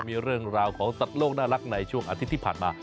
มีเรื่องราวของสัตว์โลกน่ารักในช่วงอาทิตย์ที่ผ่านมา